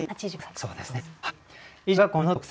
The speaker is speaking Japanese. そうですね。